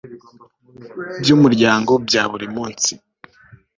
by umuryango bya buri munsi